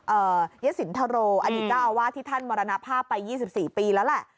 เอ่อเยซินทะโรอันนี้ก็เอาว่าที่ท่านมรณภาพไป๒๔ปีแล้วแหละ